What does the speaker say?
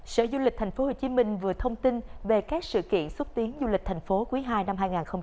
sở du lịch tp hcm vừa thông tin về các sự kiện xúc tiến du lịch tp hcm quý ii năm hai nghìn hai mươi bốn